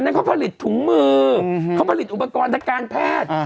เขาผลิตถุงมือเขาผลิตอุปกรณ์ทางการแพทย์